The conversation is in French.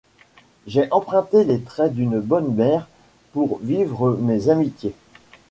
J’ai emprunté les traits d’une bonne mère pour vivre mes amitiés.